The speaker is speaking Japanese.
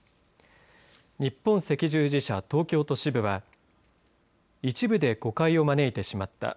日本赤十字社東京都支部は一部で誤解を招いてしまった。